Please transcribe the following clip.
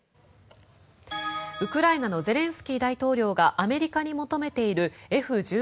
ウクライナのゼレンスキー大統領がアメリカに求めているＦ１６